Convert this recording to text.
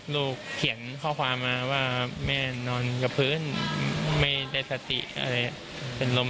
ลูกเขียนข้อความมาแม่นอนกระพื้นไม่ได้สติอะไรล้ม